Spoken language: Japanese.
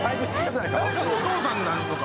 誰かのお父さんなのか？